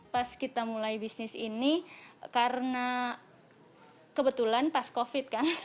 pas kita mulai bisnis ini karena kebetulan pas covid kan